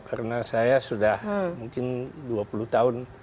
karena saya sudah mungkin dua puluh tahun